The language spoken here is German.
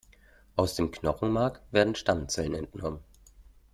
Aus dem Knochenmark werden Stammzellen entnommen.